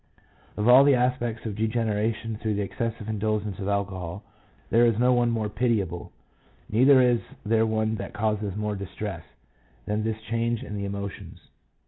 Of all the aspects of degeneration through the excessive indulgence of alcohol, there is no one more pitiable, neither is there one that causes more distress, than this change in the emotions.